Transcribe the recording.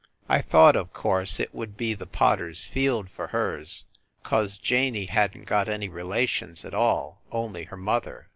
I thought, of course, it would be the potter s field for hers, cause Janey hadn t got any relations at all only her mother.